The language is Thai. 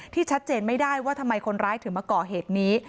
ชัดเจนไม่ได้ว่าทำไมคนร้ายถึงมาก่อเหตุนี้